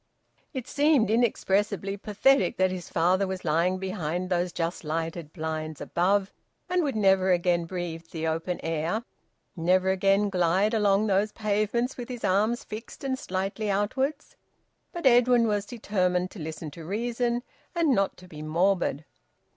It seemed inexpressibly pathetic that his father was lying behind those just lighted blinds above, and would never again breathe the open air, never again glide along those pavements with his arms fixed and slightly outwards. But Edwin was determined to listen to reason and not to be morbid.